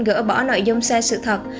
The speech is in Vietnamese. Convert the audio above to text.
gỡ bỏ nội dung xe sự thật